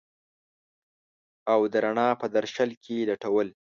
او د رڼا په درشل کي لټول